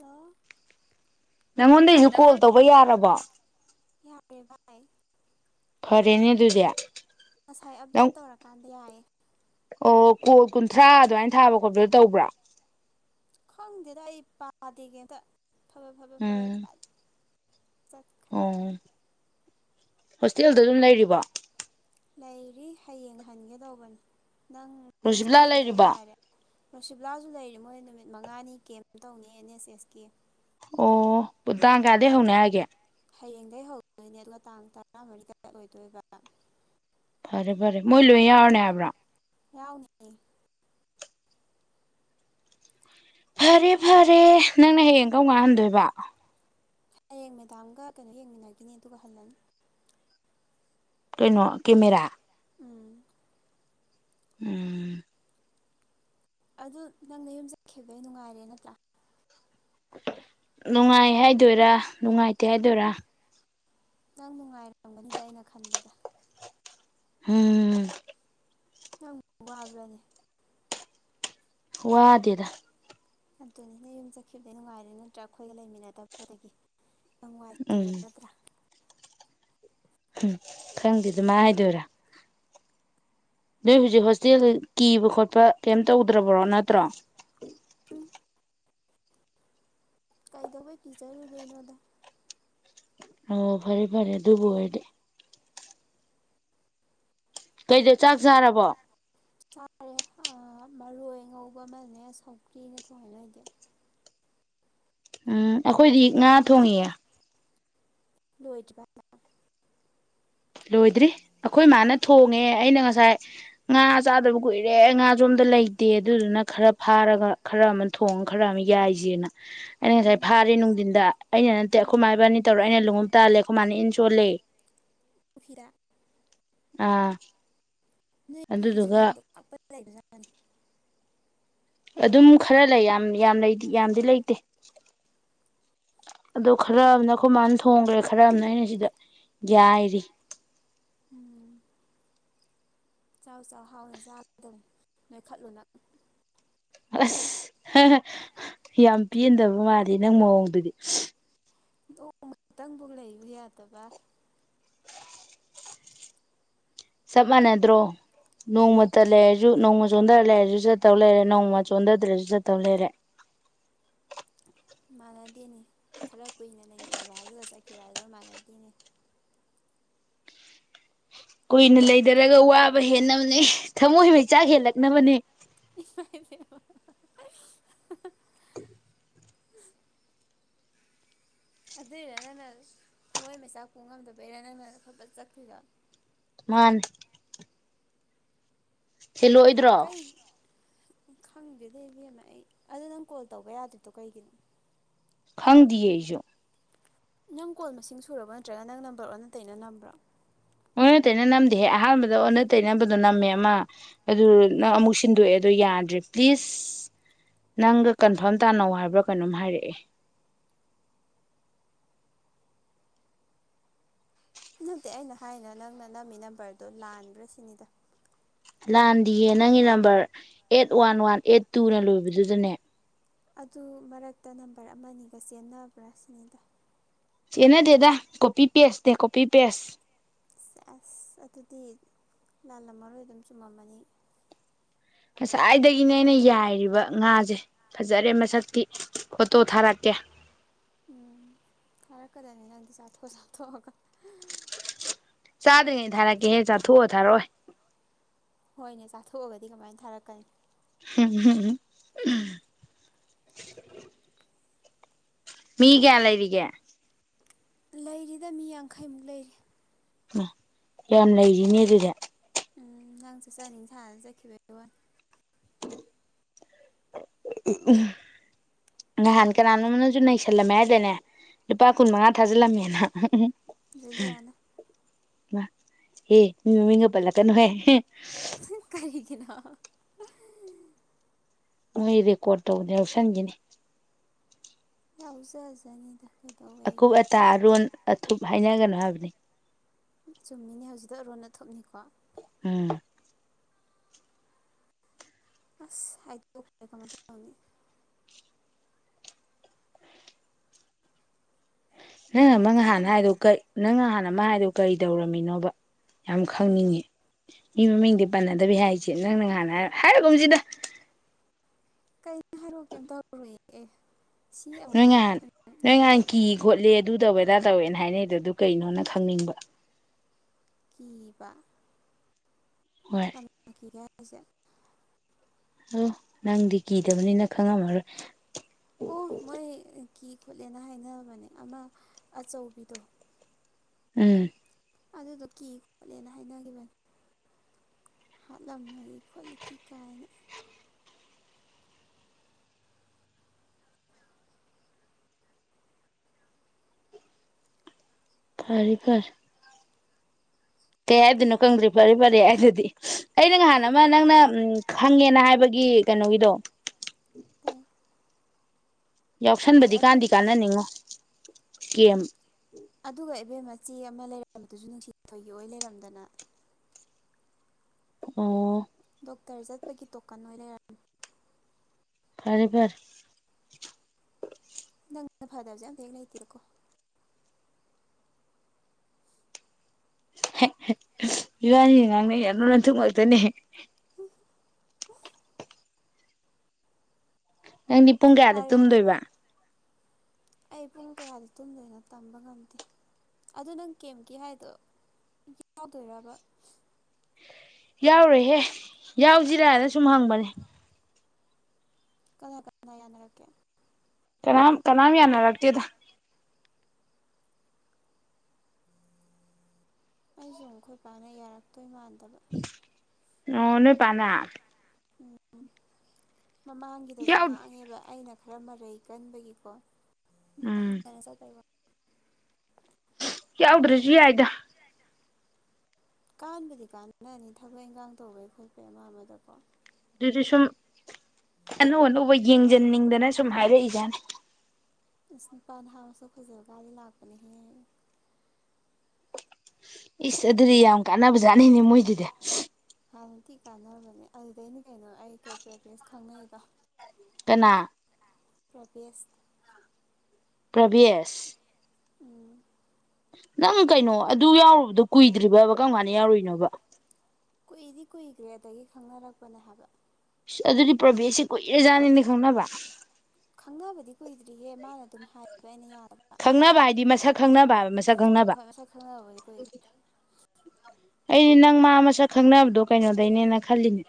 ꯂꯣ ꯅꯉꯣꯟꯗꯩꯁꯨ ꯀꯣꯜ ꯇꯧꯕ ꯌꯥꯔꯕꯣ ꯌꯥꯔꯦ ꯚꯥꯏ ꯐꯔꯦꯅꯦ ꯑꯗꯨꯗꯤ ꯉꯁꯥꯏ ꯅꯪ ꯑꯞꯗꯦꯠ ꯇꯧꯔꯀꯥꯟꯗ ꯌꯥꯏꯌꯦ ꯑꯣ ꯀꯣꯜ ꯀꯨꯟꯊ꯭ꯔꯥ ꯑꯗꯨꯃꯥꯏꯅ ꯊꯥꯕ ꯈꯣꯠꯄꯗ ꯇꯧꯕ꯭ꯔꯥ ꯈꯪꯗꯦꯗ ꯑꯩ ꯄꯥꯗꯦ ꯀꯦꯝꯇꯥ ꯐꯕ ꯐꯕ ꯎꯝ [unintelligible] ꯆꯠꯈ꯭ꯔꯦ ꯑꯣ ꯍꯣꯁꯇꯦꯜꯗ ꯑꯗꯨꯝ ꯂꯩꯔꯤꯕꯣ ꯂꯩꯔꯤ ꯍꯌꯦꯡ ꯍꯟꯒꯦꯇꯧꯕꯅꯤ ꯅꯪ ꯅꯌꯨꯝ ꯔꯣꯁꯤꯕꯤꯂꯥ ꯆꯠꯈꯤꯕꯗꯩ ꯂꯩꯔꯤꯕꯣ ꯅꯨꯡꯉꯥꯏꯔꯦ ꯔꯣꯁꯤꯕꯂꯥꯁꯨ ꯂꯩꯔꯤ ꯃꯣꯏ ꯅꯨꯃꯤꯠ ꯃꯉꯥꯅꯤ ꯀꯦꯝ ꯇꯧꯅꯤ ꯑꯦꯟ ꯑꯦꯁ ꯑꯦꯁ ꯀꯤ ꯑꯣ ꯄꯨ ꯇꯥꯡ ꯀꯥꯌꯗꯩ ꯍꯧꯅꯤ ꯍꯥꯏꯒꯦ ꯍꯌꯦꯡꯗꯩ ꯍꯧꯗꯣꯏꯅꯦ ꯑꯗꯨꯒ ꯇꯥꯡ ꯇꯔꯥꯃꯔꯤꯗ ꯂꯣꯏꯗꯣꯏꯕ ꯐꯔꯦ ꯐꯔꯦ ꯃꯣꯏꯂꯣꯏ ꯌꯥꯎꯔꯅꯦ ꯍꯥꯏꯕ꯭ꯔ ꯌꯥꯎꯅꯤ ꯐꯔꯦ ꯐꯔꯦ ꯅꯪꯅ ꯍꯌꯦꯡ ꯀꯝꯀꯥꯟ ꯍꯟꯗꯣꯏꯕ ꯍꯌꯦꯡ ꯃꯦꯗꯥꯝꯒ ꯀꯩꯅꯣ ꯌꯦꯡꯃꯤꯟꯅꯒꯤꯅꯤ ꯑꯗꯨꯒ ꯍꯜꯂꯅꯤ ꯀꯩꯅꯣ ꯀꯦꯃꯦꯔꯥ ꯎꯝ ꯎꯝ ꯑꯗꯨ ꯅꯪ ꯅꯌꯨꯝ ꯆꯠꯈꯤꯕꯗꯩ ꯅꯨꯡꯉꯥꯏꯔꯦ ꯅꯠꯇ꯭ꯔꯥ ꯅꯨꯡꯉꯥꯏ ꯍꯥꯏꯗꯣꯏꯔꯥ ꯅꯨꯡꯉꯥꯏꯇꯦ ꯍꯥꯏꯗꯣꯏꯔꯥ ꯅꯪ ꯅꯨꯡꯉꯥꯏꯔꯝꯒꯅꯤꯗ ꯑꯩꯅ ꯈꯟꯕꯗ ꯍꯝ ꯅꯪ ꯋꯥꯕ꯭ꯔꯅꯦ ꯋꯥꯗꯦꯗ ꯑꯗꯨꯅꯤꯅꯦ ꯌꯨꯝ ꯆꯠꯈꯤꯕꯗꯩ ꯅꯨꯡꯉꯥꯏꯔꯦ ꯅꯠꯇ꯭ꯔꯥ ꯑꯩꯈꯣꯏꯒ ꯂꯩꯃꯤꯟꯅꯗꯕꯗꯒꯤ ꯎꯝ ꯅꯨꯡꯉꯥꯏꯊꯔꯦ ꯅꯠꯇꯔꯥ ꯎꯝ ꯈꯪꯗꯦ ꯑꯗꯨꯃꯥꯏ ꯍꯥꯏꯗꯣꯏꯔꯥ ꯅꯣꯏ ꯍꯧꯖꯤꯛ ꯍꯣꯁꯇꯦꯜ ꯀꯤꯕ ꯈꯣꯠꯄ ꯀꯩꯝ ꯇꯧꯗ꯭ꯔꯕ꯭ꯔꯣ ꯅꯠꯇ꯭ꯔꯣ ꯎꯝ ꯀꯩꯗꯧꯕꯩ ꯀꯤꯖꯔꯨꯗꯣꯏꯅꯣꯗ ꯑꯣ ꯐꯔꯦ ꯐꯔꯦ ꯑꯗꯨꯕꯨ ꯑꯣꯏꯗꯤ ꯀꯩꯗ ꯆꯥꯛ ꯆꯥꯔꯕꯣ ꯆꯥꯔꯦ ꯃꯔꯣꯏ ꯉꯧꯕ ꯑꯃꯅꯦ ꯁꯧꯒ꯭ꯔꯤꯔꯅꯦ ꯊꯣꯡꯉꯦ ꯅꯣꯏꯗꯤ ꯎꯝ꯫ ꯑꯈꯣꯏꯗꯤ ꯉꯥ ꯊꯣꯡꯉꯤꯌꯦ꯫ ꯂꯣꯢꯗ꯭ꯔꯤ [unintelligible] ꯂꯣꯏꯗ꯭ꯔꯤ ꯑꯈꯣꯏ ꯃꯥꯅ ꯊꯣꯡꯉꯦ ꯑꯩꯅ ꯉꯁꯥꯏ ꯉꯥ ꯆꯥꯗꯕ ꯀꯨꯏꯔꯦ ꯉꯥꯁꯨ ꯑꯝꯇ ꯂꯩꯇꯦ ꯑꯗꯨꯗꯨꯅ ꯈꯔ ꯐꯥꯔꯒ ꯈꯔ ꯑꯃ ꯊꯣꯡꯉ ꯈꯔ ꯑꯃ ꯌꯥꯏꯁꯦꯅ꯫ ꯑꯩꯅ ꯎꯝ ꯉꯁꯥꯏ ꯐꯥꯔꯦ ꯅꯨꯡꯗꯤꯟꯗ ꯑꯩꯅ ꯅꯠꯇꯦ ꯎꯝ ꯑꯈꯣꯏ ꯃꯥ ꯏꯕꯥꯅꯤ ꯇꯧꯔ ꯑꯩꯅ ꯂꫭꯡꯉꯨꯞ ꯇꯥꯜꯂꯦ ꯑꯈꯣꯏ ꯃꯥꯅ ꯏꯟ ꯁꫭꯜꯂꯦ꯫ ꯄꯨꯈꯤꯗ꯫ ꯑꯥ꯫ ꯅꯣꯏ ꯄꯨꯈꯤꯁꯦ ꯑꯗꯨꯗꯨꯒ ꯉꯥꯗꯨꯝ [unintelligible] ꯂꯩꯕꯖꯥꯠꯅꯤ [unintelligible] ꯑꯗꯨꯝ ꯈꯔ ꯂꯩ ꯌꯥꯝ ꯌꯥꯝ ꯂꯩꯗꯤ ꯌꯥꯝꯗꯤ ꯂꯩꯇꯦ꯫ ꯑꯗꯣ ꯈꯔ ꯎꯝ ꯑꯃꯅ ꯑꯈꯣꯏ ꯃꯥꯅ ꯊꯣꯡꯒ꯭ꯔꯦ ꯈꯔ ꯑꯃꯅ ꯑꯩꯅ ꯁꯤꯗ ꯌꯥꯏꯔꯤ꯫ ꯎꯝ ꯆꯥꯎ ꯆꯥꯎ ꯍꯥꯎꯅ ꯆꯥꯒꯗꯃꯤ ꯅꯣꯏꯈꯠꯂꯨꯅꯪ꯫ ꯑꯁ ꯍꯦ ꯍꯦ ꯌꯥꯝ ꯄꯦꯟꯗꯕ ꯃꯥꯜꯂꯤ ꯅꯪ ꯃꯑꯣꯡꯗꯨꯗꯤ꯫ ꯅꯣꯡꯃꯇꯪꯕꯨ ꯂꯩꯕ ꯌꯥꯗꯕ꯫ ꯆꯞ ꯃꯥꯟꯅꯗ꯭ꯔꯣ ꯅꯣꯡꯃꯇ ꯂꯩꯔꯁꯨ ꯅꯣꯡꯃ ꯆꯣꯟꯘꯔ ꯂꯩꯔꯁꯨ ꯆꯠꯇꯧ ꯂꯩꯔꯦ ꯅꯣꯡꯃ ꯆꯣꯟꯊꯗ꯭ꯔꯁꯨ ꯆꯠꯇꯧ ꯂꯩꯔꯦ꯫ ꯃꯥꯟꯅꯗꯦꯅꯦ ꯈꯔ ꯀꯨꯏꯅ ꯂꯩꯃꯤꯟꯅꯕ ꯍꯥꯏꯗꯨꯒ ꯆꯠꯈꯤꯕ ꯃꯥꯟꯅꯗꯦꯅꯦ꯫ ꯀꯨꯏꯅ ꯂꯩꯊꯔꯒ ꯋꯥꯕ ꯍꯦꯟꯅꯕꯅꯦ ꯊꯃꯣꯏ ꯃꯩꯆꯥꯛ ꯍꯦꯜꯂꯛꯅꯕꯅꯦ꯫ ꯏꯃꯥꯏ ꯄꯦꯝꯃ [unintelligible] ꯑꯗꯨꯏꯔ ꯅꯪꯅ ꯊꯃꫭꯏ ꯃꯩꯆꯥꯛ ꯄꯨꯉꯝꯗꯕꯩꯔꯥ ꯅꯪꯅ ꯐꯠ ꯐꯠ ꯆꯠꯈ꯭ꯔꯤꯗꫭ꯫ ꯃꯥꯅꯤ꯫ ꯊꯤꯜꯂꯛꯑꯣꯢꯗ꯭ꯔꯣ꯫ ꯀꯩ ꯈꯪꯗꯦꯗ ꯏꯕꯦꯝꯃ ꯑꯩ ꯑꯗꯨ ꯅꯪ ꯀꯣꯜ ꯇꯧꯕ ꯌꯥꯗ꯭ꯔꯤꯗꯣ ꯀꯩꯒꯤꯅꯣ꯫ ꯈꯪꯗꯤꯌꯦ ꯑꯩꯁꯨ꯫ ꯅꯪ ꯀꯣꯜ ꯃꯁꯤꯡ ꯁꯨꯔꯕ ꯅꯠꯇ꯭ꯔꯒ ꯅꯪ ꯅꯝꯕꯔ ꯑꯣꯟꯅ ꯇꯩꯅ ꯅꯝꯕ꯭ꯔꫭ꯫ ꯑꯣꯟꯅ ꯇꯩꯅ ꯅꯝꯗꯦꯍꯦ ꯑꯍꯥꯟꯕꯗ ꯑꯣꯟꯅ ꯇꯩꯅꯕꯗꯣ ꯅꯝꯃꯦ ꯑꯃ꯫ ꯑꯗꯨ ꯎꯝ ꯅꯪ ꯑꯃꯨꯛ ꯁꯤꯟꯗꯣꯛꯑꯦ꯫ ꯑꯗꯨ ꯌꯥꯗ꯭ꯔꯦ ꯄ꯭ꯂꯤꯁ ꯅꯪꯒ ꯀꯟꯐꯥꯔꯝ ꯇꯥꯅꯧ ꯍꯥꯏꯕ꯭ꯔꯥ ꯀꯩꯅꯣꯝ ꯍꯥꯏꯔꯛꯑꯦ꯫ ꯅꯠꯇꯦ ꯑꯩꯅ ꯍꯥꯏꯅ ꯅꯪꯅ ꯅꯝꯃꯤ ꯅꯝꯕꫪꯗꯣ ꯂꯥꯟꯕ꯭ꯔꯥ ꯁꯤꯅꯤꯗ꯫ ꯂꯥꯟꯗꯤꯌꯦ ꯅꯪꯒꯤ number eight one one eight ꯇꯨꯅ ꯂꯣꯏꯕꯗꯨꯗꯅꯦ꯫ ꯑꯗꯨ ꯃꯔꯛꯇ ꯅꯝꯕꫪ ꯑꯃꯅꯤꯒ ꯆꯦꯟꯅꯕ꯭ꯔꯥ ꯁꯤꯅꯤꯗ꯫ ꯆꯟꯅꯗꯦꯗꯥ ꯀꯣꯄꯤ ꯄꯦꯁꯅꯦ ꯀꯣꯄꯤ ꯄꯦꯁ꯫ ꯑꯁ ꯑꯗꯨꯗꯤ ꯂꯥꯜꯂꯝꯃꯔꯣꯏ ꯑꯗꯨꯝ ꯆꯨꯝꯃꯝꯃꯅꯤ꯫ ꯉꯁꯥꯏꯗꯒꯤꯅꯦ ꯑꯩꯅ ꯌꯥꯏꯔꯤꯕ ꯉꯥꯁꯦ ꯐꯖꯔꯦ ꯃꯁꯛꯀꯤ ꯐꯣꯇꯣ ꯊꯥꯔꯛꯀꯦ꯫ ꯎꯝ ꯊꯥꯔꯛꯀꯗꯕꯅꯤ ꯅꯪꯗꯤ ꯆꯥꯊꯣꯛ ꯆꯥꯊꯣꯛꯑꯒ꯫ ꯆꯥꯗ꯭ꯔꯤꯉꯩꯗ ꯊꯥꯔꯛꯀꯦꯍꯦ ꯆꯥꯊꯣꯛꯑꯣ ꯊꯥꯔꯛꯑꯣꯏ꯫ ꯍꯣꯏꯅꯦ ꯆꯥꯊꯣꯛꯑꯒꯗꯤ ꯀꯃꯥꯏꯅ ꯊꯥꯔꯛꯀꯅꯤ꯫ ꯍꯝ ꯍꯝ꯫ ꯃꯤ ꯀꯌꯥ ꯂꯩꯔꯤꯒꯦ꯫ ꯂꯩꯔꯤꯗ ꯃꯤ ꯌꯥꯡꯈꯩꯃꯨꯛ ꯂꯩꯔꯤ꯫ ꯌꯥꯝ ꯂꯩꯔꯤꯅꯦ ꯑꯗꯨꯗꯤ꯫ ꯎꯝ ꯅꯪ ꯆꯠ ꯆꯅꯤꯡ ꯁꯥꯅ ꯆꯠꯈꯤꯕꯩ ꯋꯥꯅꯤ꯫ [unintelligible] ꯅꯍꯥꯟ ꯀꯅꯥꯅꯣꯝꯅꯁꯨ ꯅꯩꯁꯜꯂꯝꯃꯦ ꯍꯥꯏꯗꯦꯅꯦ ꯂꯨꯄꯥ ꯀꯨꯟꯃꯉꯥ ꯊꯥꯖꯤꯜꯂꯝꯃꯦꯅ꯫ ꯨꯖꯨꯂꯤꯌꯥꯅ ꯏꯃꯥ ꯍ‌ꯦ ꯃꯤ ꯃꯥꯃꯤꯡꯒꯥ ꯄꯜꯂꯛꯀꯩꯅ‌ꯨꯍ‌ꯦ ꯀꯔꯤꯒꯤꯅꯥ ꯃꯣꯏ ꯔꯦꯀꯣꯔꯠ ꯇꯧꯕꯅꯦ ꯌꯥꯎꯁꯟꯈꯤꯅꯤ ꯌꯥꯎꯖꯖꯅꯤꯗ ꯑꯀꯨꯞ ꯀꯩꯗꯧꯋꯦꯒꯦ ꯑꯇꯥ ꯑꯔꯣꯟ ꯑꯊꯨꯞ ꯍꯥꯏꯅꯒꯅꯨ ꯍꯥꯏꯕꯅꯤ ꯆꯨꯝꯃꯤꯅꯦ ꯍꯧꯖꯤꯛꯇ‌ꯣ ꯑꯔꯣꯟ ꯑꯊꯨꯞꯅꯤꯀꯣ ꯎꯝ ꯑꯁ ꯍꯥꯏꯗꯣꯈꯔ‌‌ꯦ ꯀꯃꯥꯏ ꯇꯧꯅꯤ ꯅꯪ ꯑꯃꯥ ꯃꯇꯦꯛ ꯅꯍꯥꯟꯅ ꯑꯃ ꯍꯥꯏꯗ‌ꯣ ꯀꯩ ꯅꯪ ꯅꯍꯥꯟ ꯃꯥ ꯍꯥꯏꯗꯣ ꯀꯔꯤ ꯇꯧꯔꯝꯃꯤꯅꯣꯕ ꯌꯥꯝ ꯀꯩꯅꯣ ꯈꯪꯅꯤꯡꯉꯤ ꯃꯤ ꯃꯃꯤꯡꯗꯤ ꯄꯟꯅꯗꯕꯤ ꯍꯥꯏꯁꯦ ꯅꯪꯅ ꯅꯍꯥꯟꯅ ꯍꯥꯏꯔꯒꯨꯝꯁꯤꯗ ꯀꯣ ꯍꯥꯏꯔꯛ ꯀꯩꯝ ꯇꯧꯔꯨꯏ ꯑꯦ ꯁꯤ ꯑꯃꯨꯛ ꯅꯣꯏꯉꯥꯍꯥꯟ ꯅꯣꯏꯉꯥꯍꯥꯟ ꯀꯤ ꯈꯣꯠꯂꯦ ꯑꯗꯨ ꯇꯧꯋꯦ ꯑꯗꯥ ꯇꯧꯋꯦꯅ ꯍꯥꯏꯅꯩꯗ ꯑꯗꯨ ꯀꯩꯅꯣꯅ ꯈꯪꯅꯤꯡꯕ ꯀꯤꯕ ꯍꯣꯏ ꯀꯅꯥ [unintelligible] ꯑꯥ ꯅꯪꯗꯤ ꯀꯤꯗꯕꯅꯤꯅ ꯈꯪꯉꯝꯃꯔꯣꯏ ꯑꯣ ꯃꯣꯏ ꯀꯤ ꯈꯣꯠꯂꯦꯅ ꯍꯥꯏꯅꯕꯅꯦ ꯑꯃ ꯑꯆꯧꯕꯤꯗꯣ ꯎꯝ ꯑꯗꯨꯗꯣ ꯀꯤ ꯈꯣꯠꯂꯦꯅ ꯍꯥꯏꯅꯈꯤꯕꯅꯤ ꯍꯥꯠꯂꯝꯃꯗꯤ ꯈꯣꯠꯂꯗꯤ ꯀꯥꯏꯅ ꯐꯔꯦ ꯐꯔꯦ ꯀꯩ ꯍꯥꯏꯗꯣꯏꯅꯣ ꯈꯪꯗ꯭ꯔꯤ ꯐꯔꯦ ꯐꯔꯦ ꯍꯥꯏꯗꯔꯗꯤ ꯑꯩꯅ ꯅꯍꯥꯟ ꯑꯃ ꯅꯪꯅ ꯎ ꯈꯪꯉꯦꯅ ꯍꯥꯏꯕꯒꯤ ꯀꯩꯅꯣꯒꯤꯗꯣ [unintelligible] ꯑꯦ ꯌꯥꯎꯁꯟꯕꯗꯤ ꯑꯗꯨ ꯀꯥꯟꯗꯤ ꯀꯥꯟꯅꯅꯤꯡꯉꯣ ꯀꯦꯝ ꯑꯗꯨꯒ ꯏꯕꯦꯝ ꯃꯆꯦ ꯑꯃ ꯂꯩꯔꯝꯕꯗꯨꯁꯨ ꯅꯨꯡꯁꯤꯊꯣꯏꯒꯤ ꯑꯣꯏ ꯂꯩꯔꯝꯗꯅ ꯑꯣ ꯗꯣꯛꯇꯔ ꯆꯠꯄꯒꯤ ꯇꯣꯀꯟ ꯑꯣꯏꯅ ꯂꯩꯔ ꯐꯔ‌ꯦ ꯐꯔ‌ꯦ [unintelligible] ꯑꯝꯇꯥ ꯍꯦꯛ ꯂꯩꯇꯦꯗꯥꯀꯣ ꯏꯕꯥꯅꯤ ꯉꯥꯡꯅ ꯑꯥꯂ‌ꯣꯟ ꯑꯥꯊꯨꯡ ꯉꯥꯛꯇꯅꯦ [inaudible] ꯅꯪꯗꯤ ꯄꯨꯡ ꯀꯌꯥꯗ ꯀꯥꯔꯤꯌꯥ ꯇꯨꯝꯗꯣꯏꯕ ꯑꯩ ꯄꯨꯡ ꯀꯌꯥꯗꯤ ꯇꯨꯝꯗꯣꯏꯅꯣ ꯇꯝꯕ ꯉꯝꯗꯦ ꯑꯗꯨ ꯅꯪ ꯀꯦꯝꯞꯀꯤ ꯍꯥꯏꯗꯣ ꯌꯥꯎꯗꯣꯏꯔꯕ ꯌꯥꯎꯔꯣꯏꯍꯦ ꯌꯥꯎꯁꯤꯔꯥꯅ ꯁꯨꯝ ꯍꯪꯕꯅꯦ ꯀꯅꯥ ꯀꯅꯥ ꯌꯥꯅꯔꯛꯀꯦ ꯀꯅꯥꯝ ꯀꯅꯥꯝ ꯌꯥꯅꯔꯥꯛꯇꯦꯗ ꯑꯩꯖꯨ ꯑꯃꯨꯛ ꯑꯈꫭꯏ ꯄꯥꯅ ꯌꯥꯔꯛꯇꯣꯏ ꯃꯥꯟꯗꯦ ꯇꯕ ꯑꯣ ꯅꫭꯏꯄꯅꯥ ꯎꯝ ꯃꯃꯥꯡꯒꯤꯗꯁꯨ ꯌꯥꯎ ꯉꯥꯡꯉꯦꯕ ꯑꯩꯅ ꯈꯔ ꯃꯔꯩ ꯀꯟꯕꯒꯤꯀꯣ ꯌꯥꯝ ꯎꯝ ꯆꯠꯄꯩ ꯋꯥꯅꯤ ꯌꯥꯎꯗ꯭ꯔꯣꯖꯨ ꯌꯥꯏꯗ ꯀꯥꯟꯕꯗꯤ ꯀꯥꯟꯅꯅꯤ ꯊꯕꯛ ꯏꯟꯈꯥꯡ ꯇꯧꯕꯩ ꯈꯣꯠꯄꯩ ꯑꯃ ꯑꯃꯗꯀꯣ ꯑꯗꯨꯗꯤ ꯁꯨꯝ ꯑꯅꯧ ꯑꯅꯧꯕ ꯌꯦꯡꯖꯟꯅꯤꯡꯗꯅ ꯁꯨꯝ ꯍꯥꯏꯔꯛꯏꯖꯥꯅꯤ ꯏꯁ ꯅꯨꯄꯥ ꯅꯍꯥ ꯃꯁꯛ ꯐꯖꯕ ꯀꯗꯤ ꯂꯥꯛꯄꯅꯤꯍꯦ ꯏꯁ ꯑꯗꯨꯗꯤ ꯌꯥꯝ ꯀꯥꯟꯅꯕꯖꯥꯠꯅꯤꯅꯦ ꯃꯣꯏꯗꯨꯗꯤ ꯍꯥꯟꯅ ꯊꯤ ꯀꯥꯟꯅꯕꯅꯦ ꯑꯗꯨꯗꯩꯩꯅ ꯀꯩꯅꯣ ꯑꯩ ꯀꯦ ꯄ꯭ꯔꯦꯄꯦꯁ ꯈꯪꯅꯩꯗꯣ ꯀꯅꯥ ꯄꫭꯔꯕꯦꯁ ꯄ꯭ꯔꯕꯤꯁ ꯎꯝ ꯅꯪ ꯀꯩꯅꯣ ꯑꯗꯨ ꯌꯥꯎꯔꯨꯕꯗꯣ ꯀꯨꯏꯗ꯭ꯔꯤꯕꯕ ꯀꯔꯝ ꯀꯥꯟꯅ ꯌꯥꯎꯔꯨꯏꯅꯣꯕ ꯀꯨꯏꯗꯤ ꯀꯨꯏꯈ꯭ꯔꯦ ꯑꯗꯒꯤ ꯈꯪꯅꯔꯛꯄꯅꯦ ꯍꯥꯏꯕ ꯑꯗꯨꯗꯤ ꯄ꯭ꯔꯚꯦꯁꯁꯦ ꯀꯨꯏꯔꯖꯥꯠꯅꯤꯅꯦ ꯈꯪꯅꯕ ꯈꯪꯅꯕꯗꯤ ꯀꯨꯏꯗ꯭ꯔꯤꯍꯦ ꯃꯥꯅ ꯑꯗꯨꯝ ꯍꯥꯏꯕ ꯑꯩꯅ ꯌꯥ ꯈꯪꯅꯕ ꯍꯥꯏꯗꯤ ꯃꯁꯛ ꯈꯪꯅꯕ ꯍꯥꯏꯕ ꯃꯁꯛ ꯍꯣꯏ ꯈꯪꯅꯕ ꯍꯣꯏ ꯃꯁꯛ ꯈꯪꯅꯔꯕꯗꯤ ꯀꯨꯏꯔꯦ ꯑꯩꯗꯤ ꯅꯪ ꯃꯥ ꯃꯁꯛ ꯈꯪꯅꯕꯗꯣ ꯀꯩꯅꯣꯗꯩꯅꯦꯅ ꯈꯜꯂꯤꯅꯦ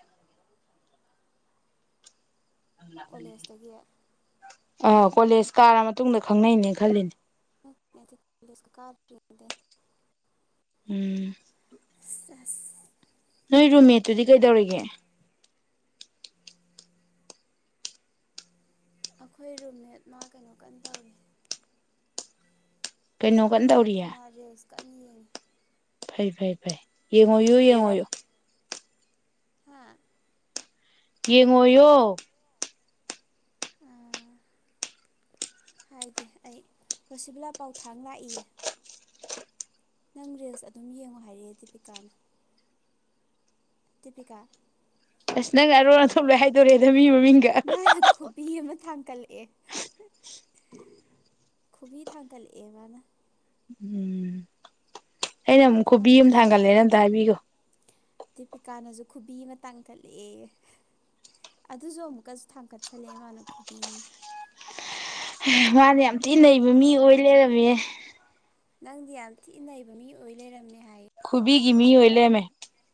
ꯀꯣꯂꯦꯖꯇꯒꯤ ꯑ ꯀꯣꯂꯦꯖ ꯀꯥꯔ ꯃꯇꯨꯡꯗ ꯈꯪꯅꯩꯅꯦ ꯈꯜꯂꯤꯅꯦ [unintelligible] ꯎꯝ ꯑꯁ ꯑꯁ ꯅꯣꯏ ꯔꯨꯝꯃꯦꯠꯇꯨꯗꯤ ꯀꯩꯗꯧꯔꯤꯒꯦ ꯑꯈꯣꯏ ꯔꯨꯝꯃꯦꯠ ꯃꯥ ꯀꯩꯅꯣ ꯀꯟꯅ ꯇꯧꯔꯤ ꯑ ꯀꯩꯅꯣ ꯀꯟꯅ ꯀꯔꯤ ꯇꯧꯔꯤꯌꯦ ꯃꯥ ꯔꯤꯜꯁ ꯀꯟꯅ ꯌꯦꯡꯉꯤ ꯐꯩ ꯐꯩ ꯌꯦꯡꯉꯣꯌꯨ ꯌꯦꯡꯉꯣ ꯌꯦꯡꯉꯣꯌꯨ ꯍꯥ ꯌꯦꯡꯉꯣ ꯌꫭ ꯑ ꯍꯥꯏꯒꯦ ꯑꯩ ꯔꯣꯁꯤꯕꯤꯂꯥ ꯄꯥꯎꯊꯥꯡ ꯂꯥꯛꯏꯌꯦ ꯅꯪ ꯔꯤꯜꯁ ꯑꯗꯨꯝ ꯌꯦꯡꯉꯣ ꯍꯥꯏꯔꯛꯑꯦ ꯗꯤꯕꯤꯀꯥꯅ ꯇꯤꯄꯤꯀꯥ ꯑꯁ ꯅꯪ ꯑꯔꯣꯟ ꯑꯊꯨꯝꯂꫭꯏ ꯍꯥꯏꯗꯣꯔꯦꯗ ꯃꯤ ꯃꯃꯤꯡꯒ ꯃꯥꯅ ꯈꯨꯕꯤ ꯑꯃ ꯊꯥꯡꯒꯠꯂꯦ ꯑꯦ [unintelligible] ꯈꯨꯕꯤ ꯊꯥꯡꯒꯜ ꯂꯛꯑꯦ ꯃꯥ ꯅ ꯎꯝ ꯑꯩꯅ ꯑꯃꯨꯛ ꯈꯨꯕꯤ ꯑꯃ ꯊꯝꯁ ꯊꯥꯡꯒꯠꯂꯦꯅ ꯑꯝꯇ ꯍꯥꯏꯕꯤꯈꯣ ꯇꯦꯄꯤꯀꯥꯅꯁꯨ ꯈꯨꯕꯤ ꯑꯃ ꯇꯥꯡꯈꯠꯂꯛꯑꯦ ꯑꯗꯨꯁꯨ ꯑꯃꯨꯛꯀꯁꯨ ꯊꯥꯡꯀꯠꯁꯜꯂꯛꯑꯦ ꯃꯥꯅ ꯈꯨꯕꯤ ꯑꯃ ꯃꯥꯅ ꯌꯥꯝ ꯊꯤꯅ ꯅꯩꯕ ꯃꯤ ꯑꯣꯏ ꯂꯩꯔꯝꯃꯦ ꯅꯪꯗꯤ ꯌꯥꯝ ꯊꯤꯅ ꯅꯩꯕ ꯃꯤ ꯑꯣꯏ ꯂꯩꯔꯝꯃꯦ ꯍꯥꯏ ꯕꯤꯒꯤ ꯃꯤ ꯑꯣꯏ ꯂꯩꯔꯝꯃꯦ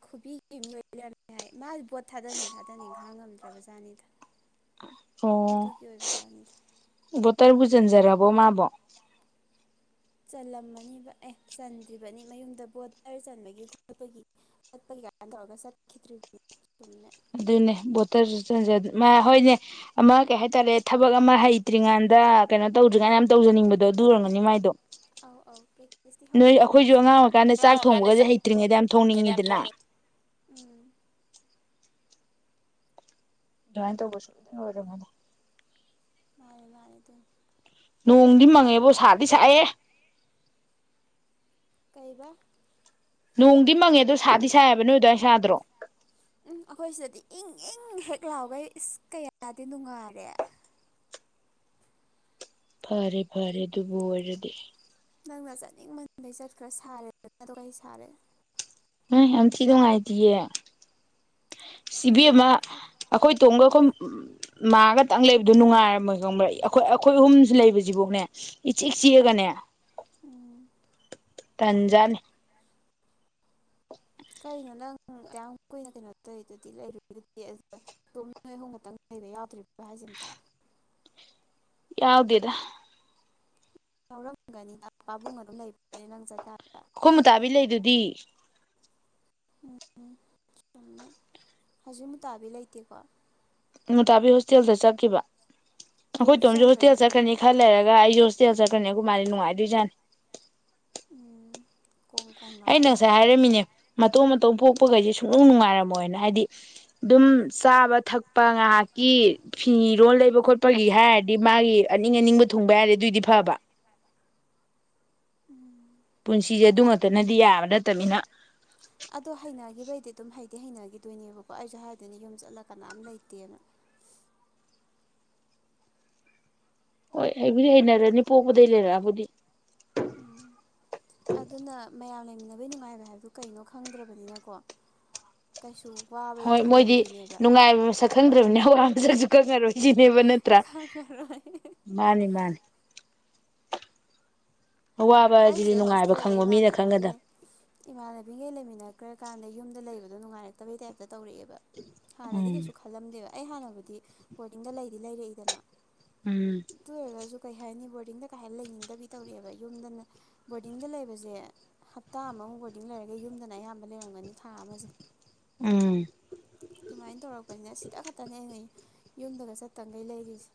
ꯈꯨꯕꯤꯒꯤ ꯃꯤ ꯑꯣꯏꯂꯩꯔꯝꯃꯦ ꯍꯥꯏ ꯃꯥ ꯕꯣꯠ ꯊꯥꯗꯅꯤꯡ ꯊꯥꯗꯅꯤꯡ ꯈꯥꯡ ꯉꯝꯗ꯭ꯔꯕ ꯖꯥꯠꯅꯤꯗ ꯑꯗꯨꯒꯤ ꯑꯣꯏꯕ ꯖꯥꯠꯅꯤꯗ ꯇꯔꯕꯨ ꯆꯟꯖꯔꯕꯣ ꯃꯥꯕꯣ ꯆꯜꯂꯝꯃꯅꯤꯕ ꯑꯦ ꯆꯟꯗ꯭ꯔꯤꯕꯅꯤ ꯃꯌꯨꯝꯗ ꯕꯣꯇꯔ ꯆꯟꯕꯒꯤ ꯈꯣꯠꯄꯒꯤ ꯆꯠꯄꯒꯤ ꯀꯥꯏ ꯇꯧꯔꯒ ꯆꯠꯈꯤꯗ꯭ꯔꯤꯕꯅꯤ ꯆꯨꯝꯃꯦ ꯑꯗꯨꯅꯦ ꯕꯣꯠꯇꯔ ꯆꯟꯖ ꯃꯥ ꯍꯣꯏꯅꯦ ꯑꯃ ꯀꯩ ꯍꯥꯏꯇꯥꯔꯦ ꯊꯕꯛ ꯑꯃ ꯍꯩꯇ꯭ꯔꯤꯉꯥꯟꯗ ꯀꯩꯅꯣ ꯇꯧꯗ꯭ꯔꯤꯉꯥꯟꯗ ꯌꯥꯝ ꯇꯧꯖꯅꯤꯡꯕꯗꯣ ꯑꯗꯨ ꯑꯣꯏꯔꯝꯒꯅꯤ ꯃꯥꯏꯗꯣ ꯑꯧ ꯑꯧ ꯄ꯭ꯔꯦꯇꯤꯁꯇꯤ ꯅꯣꯏ ꯑꯩꯈꯣꯏꯁꯨ ꯑꯉꯥꯡ ꯑꯣꯏꯔꯤꯀꯥꯟꯗ ꯆꯥꯛ ꯊꯣꯡꯕꯒꯁꯦ ꯍꯩꯇ꯭ꯔꯤꯉꯩꯗ ꯌꯥꯝ ꯍꯧꯔꯕꯥꯏ ꯊꯣꯡꯅꯤꯡꯉꯤꯗꯅ ꯎꯝ ꯥꯗꯨꯃꯥꯢꯅ ꯇꯧꯕ ꯁꯣꯢꯗꯅ ꯑꯣꯢꯔꯝꯒꯅꯤ ꯃꯥꯅꯦ ꯃꯥꯅꯦ ꯑꯗꯨꯅꯤ ꯅꯣꯡꯗꯤ ꯃꯪꯉꯦꯕꯨ ꯁꯥꯗꯤ ꯁꯥꯢꯍꯦ ꯀꯩꯕꯥ ꯅꯣꯡꯗꯤ ꯃꯪꯉꯦ ꯑꯗꯣ ꯁꯥꯗꯤ ꯁꯥꯏꯕ ꯅꯣꯏ ꯑꯗꯋꯥꯏ ꯁꯥꯗ꯭ꯔꯣ ꯎꯝ ꯑꯩꯈꯣꯏ ꯁꯤꯗꯗꯤ ꯏꯪ ꯏꯪ ꯍꯦꯛ ꯂꯥꯎꯒꯩ ꯏꯁ ꯀꯌꯥꯗꯤ ꯅꯨꯡꯉꯥꯏꯔꯦ ꯐꯔꯦ ꯐꯔꯦ ꯑꯗꯨꯕꯨ ꯑꯣꯏꯔꯗꯤ ꯅꯪꯅ ꯆꯠꯅꯤꯡ ꯃꯟꯕꯩ ꯆꯠꯈ꯭ꯔꯥ ꯁꯥꯔꯦ ꯑꯗ ꯀꯩ ꯁꯥꯔꯦ ꯑ ꯌꯥꯝ ꯊꯤ ꯅꯨꯡꯉꯥꯏꯇꯦꯌꯦ ꯏꯕꯦꯝꯃ ꯑꯗꯨꯅꯦ ꯈꯔ ꯑꯩꯈꯣꯏ ꯇꯣꯡꯒ ꯈꯨꯝ ꯎ ꯃꯥ ꯈꯇꯪ ꯂꯩꯕꯗꯣ ꯅꯨꯡꯉꯥꯏꯔꯝꯃꯣꯏ ꯈꯪꯕ꯭ꯔꯥ ꯑꯩꯈꯣꯏ ꯑꯩꯈꯣꯏ ꯑꯍꯨꯝꯁꯨ ꯂꯩꯕꯁꯤꯐꯥꯎꯅꯦ ꯏꯆꯤꯛ ꯆꯤꯛꯑꯒꯅꯦ ꯎꯝ ꯇꯟꯖꯥꯅꯤ ꯀꯩꯅꯣ ꯅꯪ ꯑꯌꯥꯝ ꯀꯨꯏꯅ ꯀꯩꯅꯣ ꯇꯧꯔꯤꯗꯨꯗꯤ ꯂꯩꯔꯨꯔꯤꯗꯨꯗꯤ ꯑꯗꯨ ꯇꯣ ꯑꯍꯨꯝ ꯈꯛꯇꯪ ꯂꯩꯕ ꯌꯥꯎꯗ꯭ꯔꯤꯕ꯭ꯔ ꯍꯥꯏꯁꯦ ꯑꯇ ꯌꯥꯎꯗꯦꯗ ꯌꯥꯎꯔꯝꯒꯅꯤꯅ ꯄꯥꯕꯨꯡ ꯑꯗꯨꯝ ꯂꯩꯕ꯭ꯔꯅꯦ ꯅꯪ ꯆꯠꯇꯥ ꯈꯣꯏ ꯃꯨꯇꯥꯕꯤ ꯂꯩꯗꯨꯗꯤ ꯎꯝ ꯆꯨꯝꯃꯦ ꯍꯧꯖꯤꯛ ꯃꯨꯇꯥꯕꯤ ꯂꯩꯇꯦꯀꯣ ꯃꯨꯇꯥꯕꯤ ꯍꯣꯁꯇꯦꯜꯗ ꯆꯠꯈꯤꯕ ꯑꯩꯈꯣꯏ ꯇꯣꯝꯁꯨ ꯍꯣꯁꯇꯦꯜ ꯆꯠꯀ꯭ꯔꯅꯤ ꯈꯔ ꯂꯩꯔꯒ ꯑꯩꯁꯨ ꯁꯇꯦꯜ ꯆꯠꯈ꯭ꯔꯅꯤ ꯑꯈꯣꯃꯥꯗꯤ ꯅꯨꯉꯥꯏꯗꯣꯠꯖꯥꯅꯤ ꯎꯝ ꯀꯣꯡ ꯀꯣꯡ ꯑꯩ ꯂꯥꯎꯔꯅꯤ ꯉꯁꯥꯏ ꯍꯥꯏꯔꯝꯃꯤꯅꯦ ꯃ ꯃꯇꯣꯝ ꯃꯇꯣꯝ ꯄꯣꯛꯄꯈꯩꯁꯦ ꯁꯨꯛꯅꯨꯡ ꯅꯨꯡꯉꯥꯏꯔꯝꯃꯣꯏꯅ ꯍꯥꯏꯗꯤ ꯑꯗꯨꯝ ꯆꯥꯕ ꯊꯛꯄ ꯉꯥꯏꯍꯥꯛꯀꯤ ꯐꯤꯔꯣꯜ ꯂꯩꯕ ꯈꯣꯠꯄꯒꯤ ꯍꯥꯏꯔꯗꯤ ꯃꯥꯒꯤ ꯑꯅꯤꯡ ꯑꯅꯤꯡꯕ ꯊꯨꯡꯕ ꯌꯥꯔꯗꯤ ꯑꯗꯨꯏꯗꯤ ꯐꯕ ꯎꯝ ꯄꯨꯟꯁꯤꯁꯦ ꯑꯗꯨꯃꯛꯇꯅꯗꯤ ꯌꯥꯕ ꯅꯠꯇꯅꯤꯅ ꯑꯗꯣ ꯍꯩꯅꯒꯤꯕꯩꯗꯤ ꯑꯗꯨꯝ ꯍꯩꯗꯤ ꯍꯩꯅꯈꯤꯗꯣꯏꯅꯦꯕꯀꯣ ꯑꯩꯁꯨ ꯍꯥꯏꯗꯣꯏꯅꯦ ꯌꯨꯝ ꯆꯠꯂ ꯀꯅꯥꯝ ꯂꯩꯇꯦꯅ ꯍꯣꯏ ꯍꯩꯕꯨꯗꯤ ꯍꯩꯅꯔꯅꯤ ꯄꯣꯛꯄꯗꯩ ꯂꯩꯔꯛꯑꯕꯨꯗꯤ ꯎꯝ ꯑꯗꯨꯅ ꯃꯌꯥꯝ ꯂꯩꯃꯤꯟꯅ ꯈꯅꯕꯩ ꯅꯨꯡꯉꯥꯏꯕ ꯍꯥꯏꯕꯗꯨ ꯀꯩꯅꯣ ꯈꯪꯗ꯭ꯔꯕꯅꯤꯅꯀꯣ ꯀꯩꯁꯨ ꯍꯣꯏ ꯋꯥꯕꯗꯤ ꯃꯣꯏꯗꯤ ꯑꯣꯏꯔꯣꯏꯗꯣꯏꯅꯦꯕ ꯅꯨꯡꯉꯥꯏꯕ ꯃꯁꯛ ꯈꯪꯗ꯭ꯔꯕꯅꯤ ꯑ ꯑꯗꯨ ꯖꯛ ꯈꯪꯉꯔꯣꯏ ꯁꯤꯖꯤꯅꯦꯕ ꯅꯠꯇ꯭ꯔꯥ ꯈꯪꯉꯔꯣꯏ ꯃꯥꯅꯤ ꯃꯥꯅꯤ ꯑꯋꯥꯕ ꯑꯁꯤꯗꯤ ꯑꯩꯁꯤꯗ ꯅꯨꯡꯉꯥꯏꯕ ꯍꯣꯁꯇꯦꯜꯗ ꯈꯪꯕ ꯃꯤꯅ ꯏꯃꯥꯟꯅꯕꯤꯈꯩ ꯈꯪꯒꯗꯕ ꯏꯃꯥꯟꯅꯕꯤꯈꯩ ꯂꯩꯃꯤꯟꯅꯈ꯭ꯔ ꯀꯥꯟꯗ ꯌꯨꯝꯗ ꯂꯩꯕꯗꯣ ꯅꯨꯡꯉꯥꯏꯔꯛꯇꯕꯩ ꯇꯥꯏꯞꯇ ꯇꯧꯔꯛꯑꯦꯕ ꯍꯥꯟꯅꯗꯤ ꯎꯝ ꯀꯩꯁꯨ ꯈꯜꯂꯝꯗꯦꯕ ꯑꯩ ꯍꯥꯟꯅꯕꯨꯗꯤ ꯕꯣꯔꯗꯤꯡꯒ ꯂꯩꯗꯤ ꯂꯩꯔꯛꯏꯗꯅ ꯎꯝ ꯑꯗꯨ ꯑꯣꯏꯔꯒꯁꯨ ꯀꯩ ꯍꯥꯏꯅꯤ ꯕꯣꯔꯗꯤꯡꯗ ꯀꯩ ꯍꯥꯏꯅ ꯂꯩꯅꯤꯡꯗꯕꯤ ꯇꯧꯔꯛꯦꯕ ꯌꯨꯝꯗꯅ ꯕꯣꯔꯗꯤꯡꯗ ꯂꯩꯕꯁꯦ ꯍꯞꯇꯥ ꯑꯃꯃꯨꯛ ꯕꯣꯔꯗꯤꯡ ꯂꯩꯔꯒ ꯌꯨꯝꯗꯅ ꯑꯌꯥꯝꯕ ꯂꯩꯔꯝꯒꯅꯤ ꯊꯥ ꯑꯃꯁꯦ ꯎꯝ ꯑꯗꯨꯃꯥꯏꯅ ꯇꯧꯔꯛꯄꯅꯤꯅ ꯁꯤꯇ ꯈꯛꯇꯅꯦꯅꯦ ꯌꯨꯝꯗꯒ ꯆꯠꯇꯈꯩ ꯂꯩꯔꯤꯁꯦ